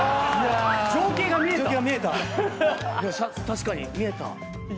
確かに見えた。